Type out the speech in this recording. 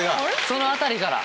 そのあたりから。